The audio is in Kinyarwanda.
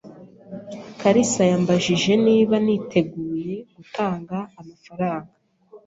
kalisa yambajije niba niteguye gutanga amafaranga.